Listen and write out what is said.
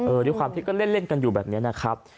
ด้วยความที่ก็เล่นกันอยู่แบบนี้นะครับ